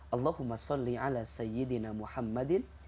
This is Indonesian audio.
allahumma sawling ala sayyidina muhammadin